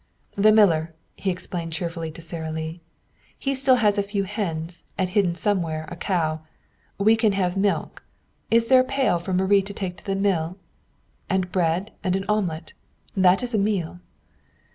"The miller!" he explained cheerfully to Sara Lee. "He has still a few hens, and hidden somewhere a cow. We can have milk is there a pail for Marie to take to the mill? and bread and an omelet. That is a meal!"